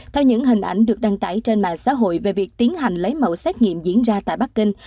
theo những hình ảnh được đăng tải trên mạng xã hội về việc tiến hành lấy mẫu xét nghiệm diễn ra tại bắc kinh